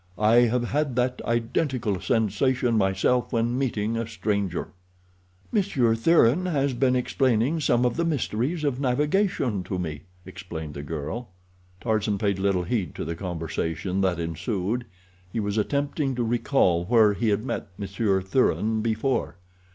I have had that identical sensation myself when meeting a stranger." "Monsieur Thuran has been explaining some of the mysteries of navigation to me," explained the girl. Tarzan paid little heed to the conversation that ensued—he was attempting to recall where he had met Monsieur Thuran before.